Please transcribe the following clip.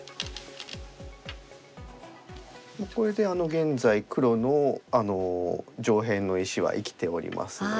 これで現在黒の上辺の石は生きておりますので。